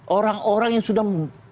orang orang yang sudah